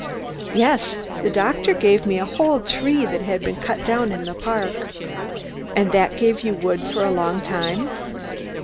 "Yes, the doctor gave me a whole tree that had been cut down in the park." "And that gave you wood for a long time?"